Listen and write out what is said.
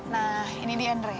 nah ini dia andre